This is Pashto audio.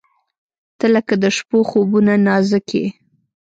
• ته لکه د شپو خوبونه نازک یې.